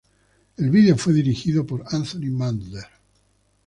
El video fue dirigido por Anthony Mandler.